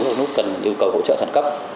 hay nút cần yêu cầu hỗ trợ thẳng cấp